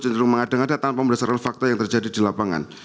jenderal mengadeng ada tanpa merasakan fakta yang terjadi di lapangan